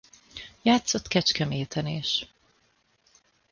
Játszott Kecskeméten is.